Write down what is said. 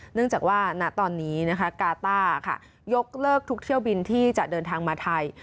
เนื่องจากว่าณตอนนี้กาต้ายกเลิกทุกเที่ยวบินที่จะเดินทางมาไทย